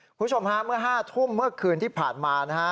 คุณผู้ชมฮะเมื่อ๕ทุ่มเมื่อคืนที่ผ่านมานะฮะ